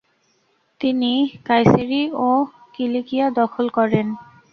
তিনি কায়সেরি এবং কিলিকিয়া দখল করেন।